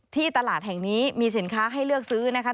ที่ตลาดแห่งนี้มีสินค้าให้เลือกซื้อนะคะ